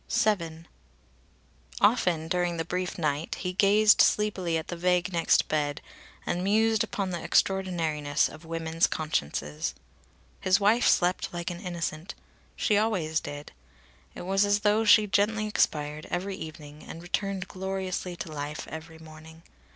VII. Often during the brief night he gazed sleepily at the vague next bed and mused upon the extraordinariness of women's consciences. His wife slept like an innocent. She always did. It was as though she gently expired every evening and returned gloriously to life every morning.